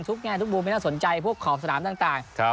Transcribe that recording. แง่ทุกมุมไม่น่าสนใจพวกขอบสนามต่าง